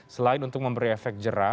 selain untuk memberi efek jerah